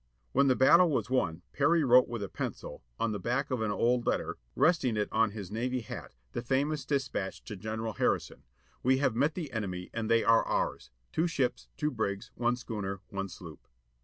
When the battle was won Perry wrote with a pencil, on the back of an old letter, resting it on his navy hat, the famous dispatch to General Harrison, "We have met the enemy and they are ours, two ships, two brigs, one schooner, one sloop."